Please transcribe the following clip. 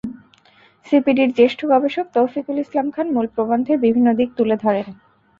সিপিডির জ্যেষ্ঠ গবেষক তৌফিকুল ইসলাম খান মূল প্রবন্ধের বিভিন্ন দিক তুলে ধরেন।